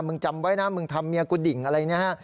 จำไว้นะมึงทำเมียกูดิ่งอะไรนะฮะ